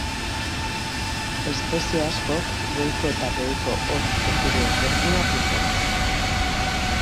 Espezie askok goiko eta beheko hortz kopuru ezberdina dute.